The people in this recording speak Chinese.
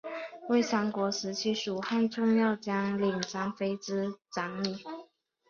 为三国时期蜀汉重要将领张飞之长女。